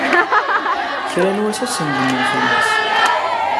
Kra n wass, ad tnedmem fell-as.